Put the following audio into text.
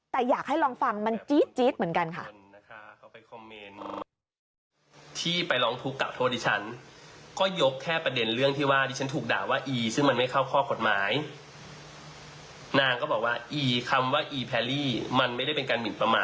แต่อยากให้ลองฟังมันจี๊ดเหมือนกันค่ะ